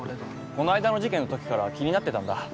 この間の事件のときから気になってたんだ。